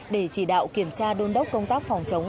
để chỉ đạo kiểm tra đôn đốc công tác phòng chống